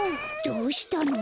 どうしたの？